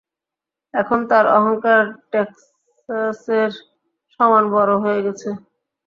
এখন তার অহংকার টেক্সাসের সমান বড় হয়ে গেছে!